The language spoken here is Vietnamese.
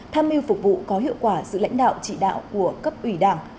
tham mưu phục vụ có hiệu quả sự lãnh đạo chỉ đạo của cấp ủy đảng